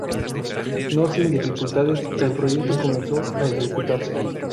No sin dificultades, el proyecto comenzó a ejecutarse.